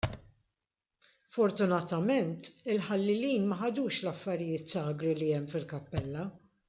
Fortunatament, il-ħallelin ma ħadux l-affarijiet sagri li hemm fil-kappella.